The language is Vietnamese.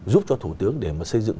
giúp cho thủ tướng để xây dựng